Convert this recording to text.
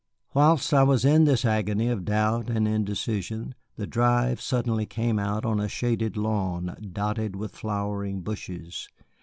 Whilst I was in this agony of doubt and indecision, the drive suddenly came out on a shaded lawn dotted with flowering bushes.